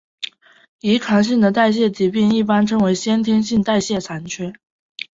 遗传性的代谢疾病一般称为先天性代谢缺陷。